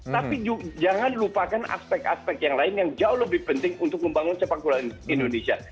tapi jangan lupakan aspek aspek yang lain yang jauh lebih penting untuk membangun sepak bola indonesia